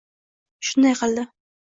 shunday qildi.